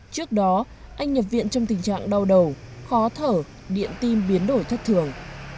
trước đó anh nhập viện trong tình trạng đau đầu khó thở điện tim biến đổi thất thường